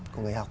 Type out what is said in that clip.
của người học